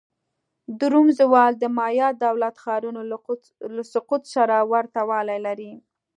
د روم زوال د مایا دولت ښارونو له سقوط سره ورته والی لري.